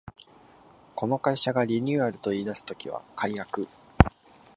この会社がリニューアルと言いだす時は改悪